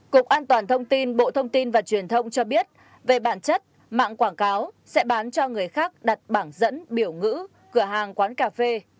cục an toàn thông tin bộ thông tin và truyền thông cho biết về bản chất mạng quảng cáo sẽ bán cho người khác đặt bảng dẫn biểu ngữ cửa hàng quán cà phê